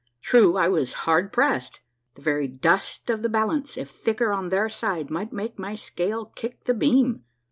True, I was hard pressed ; the very dust of the balance, if thicker on their side, might make my scale kick the beam.